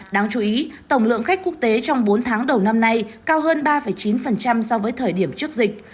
đáng chú ý tổng lượng khách quốc tế trong bốn tháng đầu năm nay cao hơn ba chín so với thời điểm trước dịch